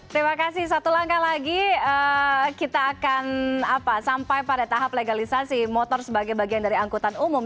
terima kasih satu langkah lagi kita akan sampai pada tahap legalisasi motor sebagai bagian dari angkutan umum